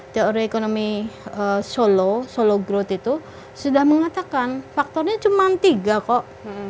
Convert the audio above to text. teori ekonomi solo solo growth itu sudah mengatakan faktornya cuma tiga kok